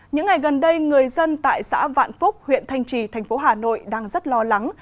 những ngày gần đây người dân tại xã vạn phúc huyện thanh trì thành phố hà nội đang rất lo lắng